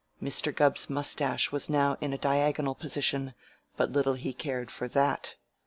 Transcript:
Mr. Gubb's mustache was now in a diagonal position, but little he cared for that.